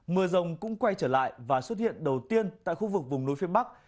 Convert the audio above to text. mưa rông cũng quay trở lại và xuất hiện đầu tiên tại khu vực vùng núi phía bắc